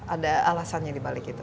ada alasannya di mana